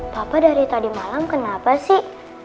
papa dari tadi malam kenapa sih